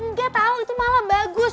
enggak tau itu malah bagus